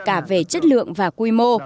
cả về chất lượng và quy mô